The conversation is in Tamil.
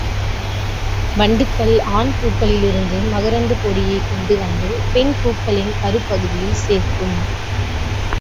வண்டுகள் ஆண் பூக்களிலிருந்து மகரந்தப் பொடியைக் கொண்டு வந்து பெண் பூக்களின் கருப் பகுதியில் சேர்க்கும்.